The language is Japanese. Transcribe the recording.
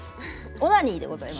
オナニーでございます。